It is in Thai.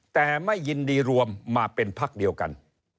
แต่ไม่ยินดีรวมมาเป็นพักเดียวกัน